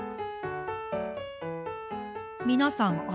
皆さん